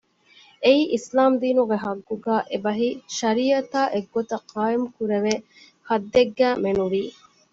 އެއީ އިސްލާމް ދީނުގެ ޙައްޤުގައި، އެބަހީ: ޝަރީޢަތާ އެއްގޮތަށް ޤާއިމު ކުރެވޭ ޙައްދެއްގައި މެނުވީ